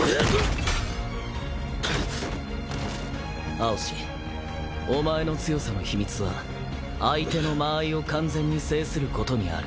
蒼紫お前の強さの秘密は相手の間合いを完全に制することにある。